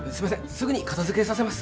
すぐに片付けさせます